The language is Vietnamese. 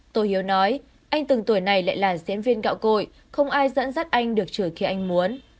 tổ hiếu nói anh từng tuổi này lại là diễn viên gạo cội không ai dẫn dắt anh được chửi khi anh muốn